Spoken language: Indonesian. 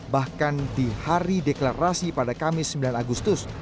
bahkan di hari deklarasi pada kamis sembilan agustus